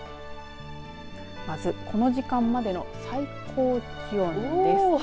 まず、この時間までの最高気温です。